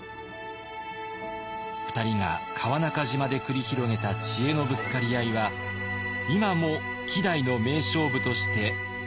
２人が川中島で繰り広げた知恵のぶつかり合いは今も希代の名勝負として語り継がれています。